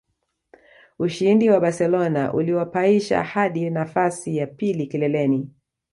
Ushindi kwa Barcelona uliwapaisha hadi nafasi ya pili kileleni